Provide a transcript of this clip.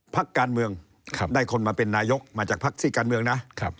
พักการเมืองได้คนมาเป็นนายกมาจากพักซี่การเมืองนะ